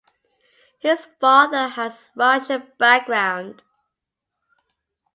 His father has Russian background.